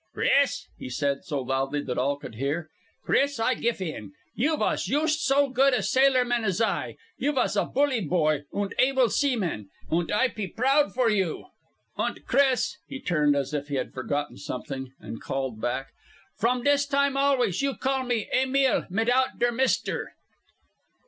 "Chris," he said, so loudly that all could hear, "Chris, I gif in. You vas yoost so good a sailorman as I. You vas a bully boy, und able seaman, und I pe proud for you! "Und Chris!" He turned as if he had forgotten something, and called back, "From dis time always you call me 'Emil' mitout der 'Mister!'"